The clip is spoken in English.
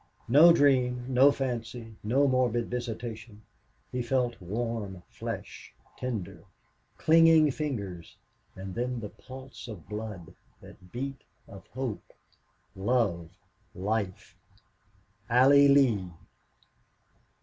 No dream, no fancy, no morbid visitation! He felt warm flesh tender, clinging fingers; and then the pulse of blood that beat of hope love life Allie Lee!